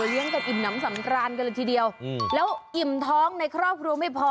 เลี้ยงกันอิ่มน้ำสำราญกันเลยทีเดียวแล้วอิ่มท้องในครอบครัวไม่พอ